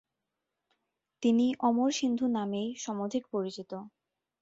তিনি অমর সিন্ধু নামেই সমধিক পরিচিত।